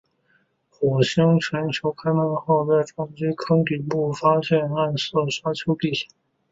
火星全球探勘者号在该撞击坑底部发现暗色的沙丘地形。